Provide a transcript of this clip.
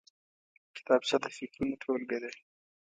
کتابچه د فکرونو ټولګه ده